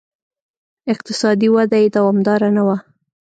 اقتصادي وده یې دوامداره نه وه.